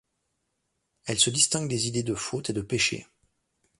Elle se distingue des idées de faute et de péché.